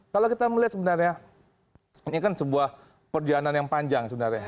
kalau kita melihat sebenarnya ini kan sebuah perjalanan yang panjang sebenarnya